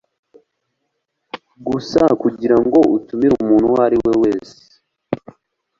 gusa kugirango utumire umuntu uwo ari we wese